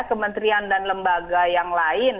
kementerian dan lembaga yang lain